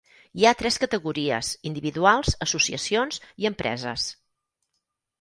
Hi ha tres categories, individuals, associacions i empreses.